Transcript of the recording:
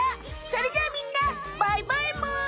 それじゃみんなバイバイむ！